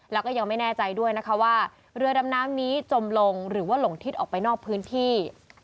แล้วก็ยังไม่แน่ใจด้วยนะคะว่าเรือดำน้ำนี้จมลงหรือว่าหลงทิศออกไปนอกพื้นที่